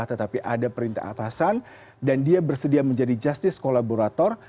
tetapi ada perintah atasan dan dia bersedia menjadi justice kolaborator